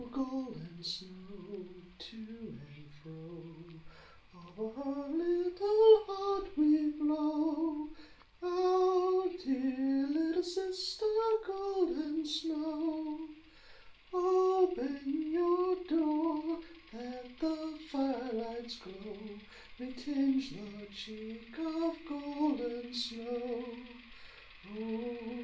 Golden Snow! To and fro; Over her little heart We blow, Our dear little sister, Golden Snow. "Open your door, That the fire light's glow May tinge the cheek Of Golden Snow Oh!